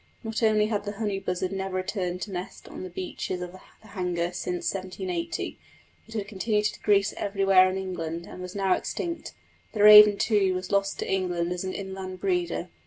Not only had the honey buzzard never returned to nest on the beeches of the Hanger since 1780, but it had continued to decrease everywhere in England and was now extinct. The raven, too, was lost to England as an inland breeder.